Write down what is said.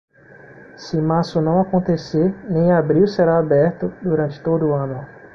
Se março não acontecer, nem abril será aberto, durante todo o ano.